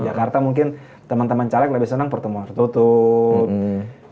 jakarta mungkin temen temen caleg lebih seneng pertemuan tertutup